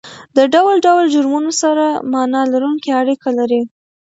د ډول ډول جرمونو سره معنا لرونکې اړیکه لري